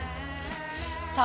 ◆さあ